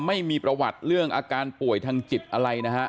ไม่มีประวัติเรื่องอาการป่วยทางจิตอะไรนะฮะ